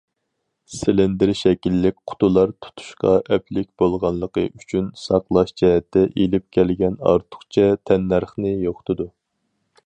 سىلىندىر شەكىللىك قۇتىلار تۇتۇشقا ئەپلىك بولغانلىقى ئۈچۈن، ساقلاش جەھەتتە ئېلىپ كەلگەن ئارتۇقچە تەننەرخنى يوقىتىدۇ.